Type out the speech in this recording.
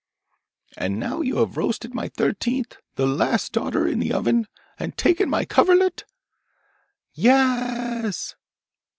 'And now you have roasted my thirteenth and last daughter in the oven, and taken my coverlet?' 'YeÄeÄs!